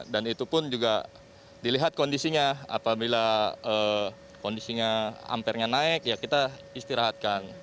itu pun juga dilihat kondisinya apabila kondisinya amperenya naik ya kita istirahatkan